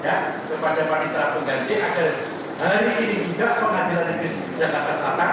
ya kepada pak intra pengganti agar hari ini juga pengadilan timbik jangan terselatan